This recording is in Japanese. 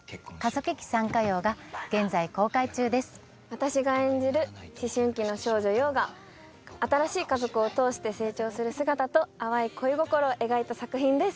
私が演じる思春期の少女・陽が新しい家族をとおして成長する姿と淡い恋心を描いた作品です